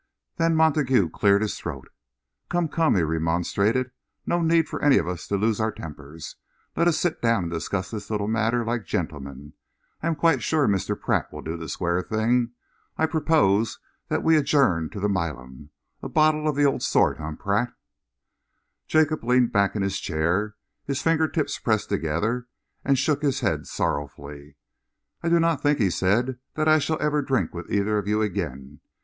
Then Montague cleared his throat. "Come, come," he remonstrated, "no need for any of us to lose our tempers. Let us sit down and discuss this little matter like gentlemen. I am quite sure Mr. Pratt will do the square thing. I propose that we adjourn to the Milan. A bottle of the old sort, eh, Pratt?" Jacob leaned back in his chair, his finger tips pressed together, and shook his head sorrowfully. "I do not think," he said, "that I shall ever drink with either of you again.